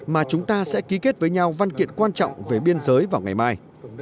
mà chúng ta sẽ ký kết với nhau văn kiện quan trọng về biên giới vào ngày mai